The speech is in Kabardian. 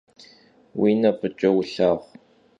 Vui ne f'ıç'e yilhağu!